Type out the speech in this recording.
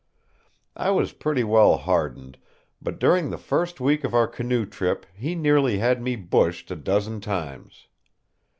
I was pretty well hardened, but during the first week of our canoe trip he nearly had me bushed a dozen times.